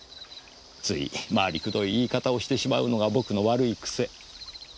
つい回りくどい言い方をしてしまうのが僕の悪い癖。